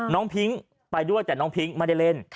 พิ้งไปด้วยแต่น้องพิ้งไม่ได้เล่น